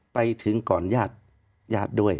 ไปถึงก่อนญาติญาติด้วย